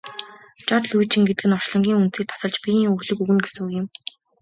Жод лүйжин гэдэг нь орчлонгийн үндсийг тасалж биеийн өглөг өгнө гэсэн үг юм.